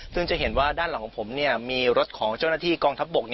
ซึ่งจะเห็นว่าด้านหลังของผมมีรถของเจ้าหน้าที่กองทัพบก